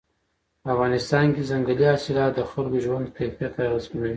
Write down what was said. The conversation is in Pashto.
په افغانستان کې ځنګلي حاصلات د خلکو ژوند کیفیت اغېزمنوي.